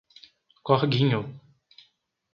Corguinho